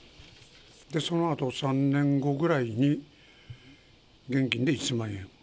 そのあと３年後ぐらいに、現金で１０００万円。